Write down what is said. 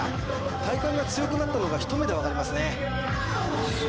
体幹が強くなったのが一目で分かりますね